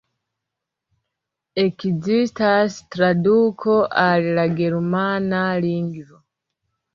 Ekzistas traduko al la germana lingvo.